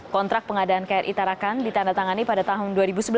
kontrak pengadaan kri tarakan ditandatangani pada tahun dua ribu sebelas